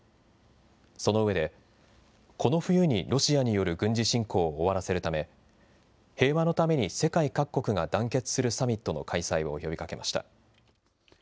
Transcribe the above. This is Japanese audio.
その上で、この冬にロシアによる軍事侵攻を終わらせるため、平和のために世界各国が団結するサミットの開催を呼びかけました。